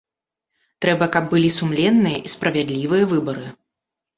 Трэба, каб былі сумленныя і справядлівыя выбары.